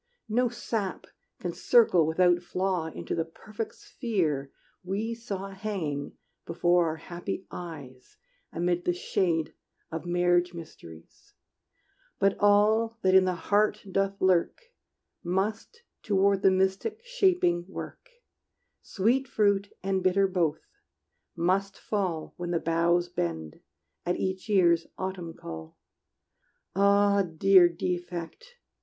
No sap can circle without flaw Into the perfect sphere we saw Hanging before our happy eyes Amid the shade of marriage mysteries; But all that in the heart doth lurk Must toward the mystic shaping work: Sweet fruit and bitter both must fall When the boughs bend, at each year's autumn call. Ah, dear defect!